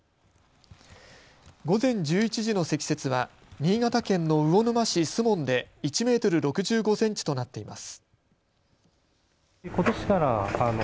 午前１１時の積雪は新潟県の魚沼市守門で１メートル６５センチとなっています。